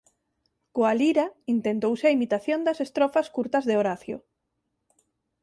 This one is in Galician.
Coa lira intentouse a imitación das estrofas curtas de Horacio.